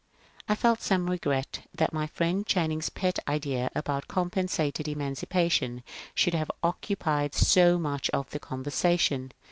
I felt some regret that my friend Channing's pet idea about compensated emancipation should have occupied so much of the conversation.